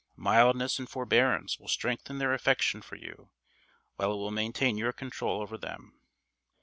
Mildness and forebearance will strengthen their affection for you, while it will maintain your control over them."